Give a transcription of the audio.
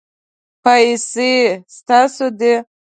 پیسې ستاسو دي